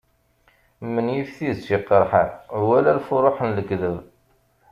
Menyif tidet iqerḥen, wala lfuruḥ n lekdeb.